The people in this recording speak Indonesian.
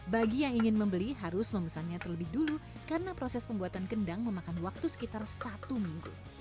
bagi yang ingin membeli harus memesannya terlebih dulu karena proses pembuatan kendang memakan waktu sekitar satu minggu